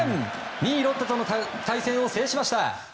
２位、ロッテとの対戦を制しました。